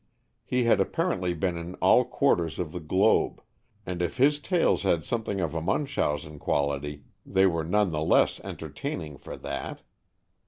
He had apparently been in all quarters of the globe, and if his tales had something of a Munchausen quality, they were none the less entertaining for that.